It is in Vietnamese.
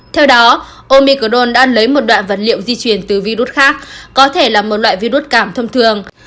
theo đó omicron đã lấy một đoạn vật liệu di chuyển từ virus khác có thể là một loại virus cảm thông thường